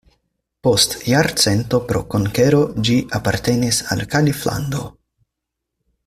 Post jarcento pro konkero ĝi apartenis al kaliflando.